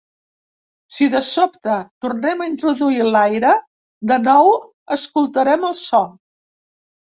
Si de sobte tornem a introduir l’aire, de nou escoltarem el so.